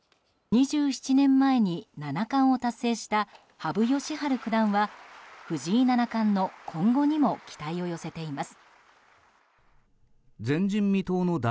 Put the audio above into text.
２７年前に七冠を達成した羽生善治九段は藤井七冠の今後にも期待を寄せています。